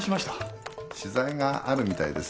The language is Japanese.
取材があるみたいですよ。